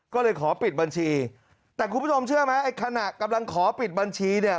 ก็เลยขอปิดบัญชีแต่คุณผู้ชมเชื่อไหมไอ้ขณะกำลังขอปิดบัญชีเนี่ย